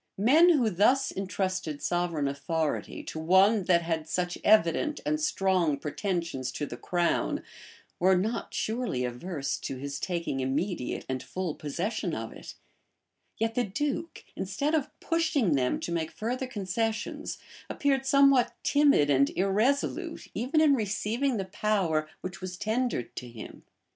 Men who thus intrusted sovereign authority to one that had such evident and strong pretensions to the crown, were not surely averse to his taking immediate and full possession of it; yet the duke, instead of pushing them to make further concessions, appeared somewhat timid and irresolute even in receiving the power which was tendered to him.